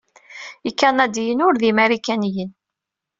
Ikanadiyen ur d imarikaniyen.